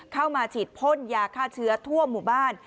เข้ามาฉีดพ่นยาฆ่าเชื้อทั่วหมู่บ้าน